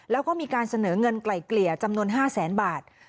แล้วก็มีการเสนอเงินไกลเกลี่ยจำนวน๕แสนบาท